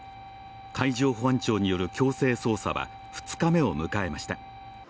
海上保安庁による強制捜査は２日目を迎えました。